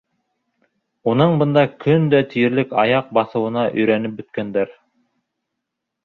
Уның бында көн дә тиерлек аяҡ баҫыуына өйрәнеп бөткәндәр.